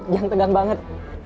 jangan tegang banget